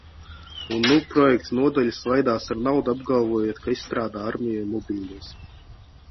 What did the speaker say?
Un nu projektu nodaļa svaidās ar naudu, apgalvojot, ka izstrādā armijai mobilos?